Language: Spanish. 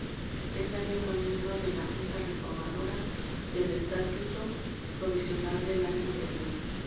Ese año fue miembro de la "Junta Reformadora" del Estatuto Provisional del año anterior.